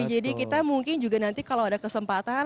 jadi kita mungkin juga nanti kalau ada kesempatan